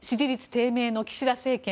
低迷の岸田政権。